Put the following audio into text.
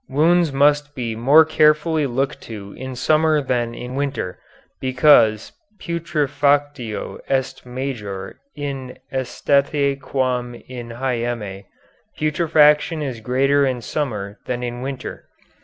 Wounds must be more carefully looked to in summer than in winter, because putrefactio est major in aestate quam in hyeme, putrefaction is greater in summer than in winter.